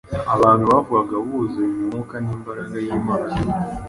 abantu bavugaga buzuye Mwuka n’imbaraga y’Imana